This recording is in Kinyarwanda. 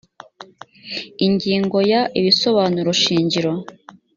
ingingo ya…: ibisobanuro shingiro